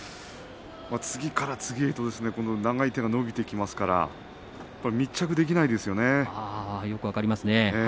次から次へと長い手が伸びてきますから密着できませんでしたね。